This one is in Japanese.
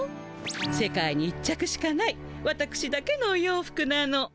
世界に一着しかないわたくしだけのお洋服なの。